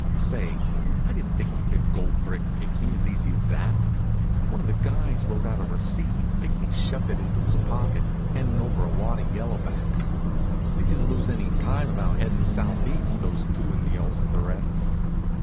Say, I didn't think you could gold brick Pinckney as easy as that. One of the guys wrote out a receipt and Pinckney shoved it into his pocket handin' over a wad of yellow backs. They didn't lose any time about headin' southeast, those two in the ulsterets.